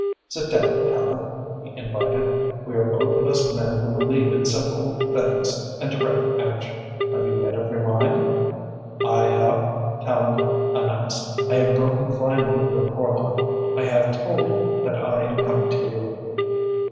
"Sit down, Tallente," he invited. "We are both of us men who believe in simple things and direct action. Have you made up your mind?" "I have," Tallente announced. "I have broken finally with Horlock. I have told him that I am coming to you."